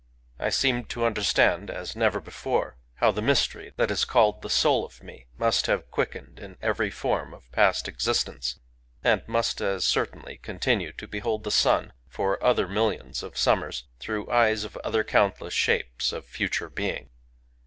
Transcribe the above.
I seemed to under stand, as never before, how the mystery that is called the Soul of me must have quickened in every form of past existence, and must as cer tainly continue to behold the sun, for other mill ions of summers, through eyes of other countless shapes of future being.